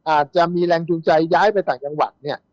อาจจะมีแรงจูงใจย้ายไปต่างจังหวัดเนี่ย